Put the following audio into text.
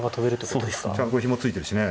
ここひも付いてるしね。